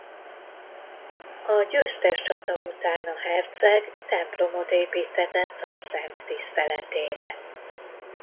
A győztes csata után a herceg templomot építtetett a szent tiszteletére.